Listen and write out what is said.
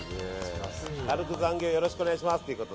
軽く残業よろしくお願いします。